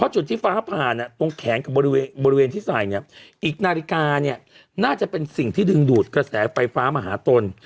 จุดที่ฟ้าผ่านตรงแขนกับบริเวณที่ใส่เนี่ยอีกนาฬิกาเนี่ยน่าจะเป็นสิ่งที่ดึงดูดกระแสไฟฟ้ามาหาตน